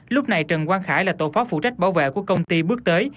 lúc này trần quang khải là tổ phó phụ trách bảo vệ của công ty bước tới